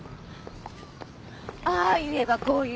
ああ言えばこう言う